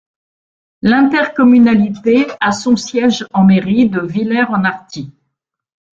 L'intercommunalité a son siège en mairie de Villers-en-Arthies.